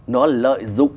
nó lợi dụng